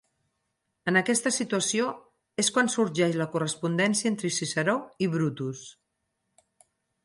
En aquesta situació és quan sorgeix la correspondència entre Ciceró i Brutus.